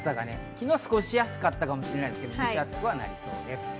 昨日は過ごしやすかったかもしれませんが今日蒸し暑くなりそうです。